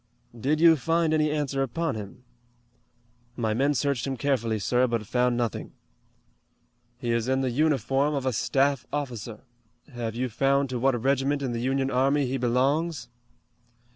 "Did you find any answer upon him." "My men searched him carefully, sir, but found nothing." "He is in the uniform of a staff officer. Have you found to what regiment in the Union army he belongs?"